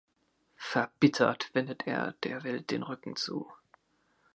Verbittert wendet er der Welt den Rücken zu.